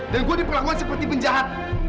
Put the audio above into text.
dan gue diperlakukan seperti penjahat